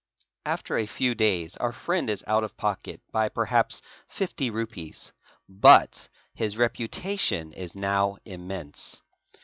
After a few days our friend is out of pocket by perhaps fifty rupees; but his reputation is now immense.